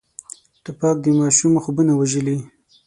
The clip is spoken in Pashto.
توپک د ماشوم خوبونه وژلي.